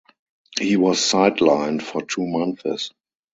He was sidelined for two months.